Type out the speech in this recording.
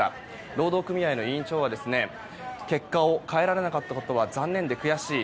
労働組合の委員長は結果を変えられなかったことは残念で悔しい。